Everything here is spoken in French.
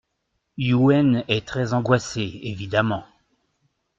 Youenn est très angoissé évidemment.